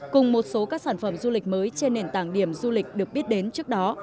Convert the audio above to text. cùng một số các sản phẩm du lịch mới trên nền tảng điểm du lịch được biết đến trước đó